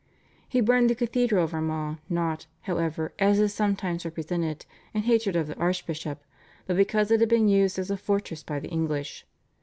He burned the cathedral of Armagh not, however, as is sometimes represented, in hatred of the archbishop, but because it had been used as a fortress by the English.